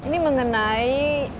jadi kita mulai